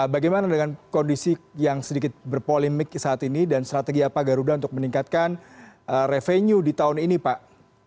bagaimana dengan kondisi yang sedikit berpolemik saat ini dan strategi apa garuda untuk meningkatkan revenue di tahun ini pak